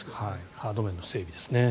ハード面の整備ですね。